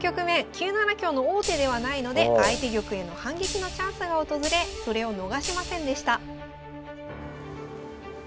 ９七香の王手ではないので相手玉への反撃のチャンスが訪れそれを逃しませんでした。